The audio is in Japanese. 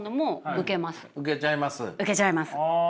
受けちゃいます。